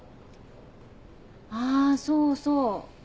あそうそう。